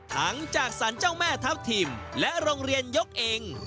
ทั้งจากสารเจ้าแม่ทัพทิมและโรงเรียนยกเอง